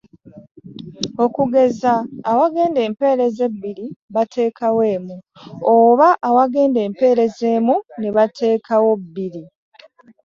Okugeza awagenda empeerezi ebbiri bateekawo emu oba awagenda empeerezi emu ne bateekawo bbiri.